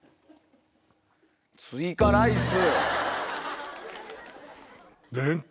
追加ライス！